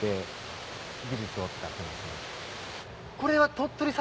これは。